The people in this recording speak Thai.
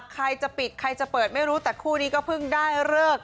ใครจะปิดใครจะเปิดไม่รู้แต่คู่นี้ก็เพิ่งได้เลิก